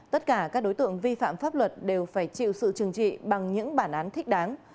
tất cả các đối tượng vi phạm pháp luật đều phải chịu sự trừng trị bằng những bản án thích đáng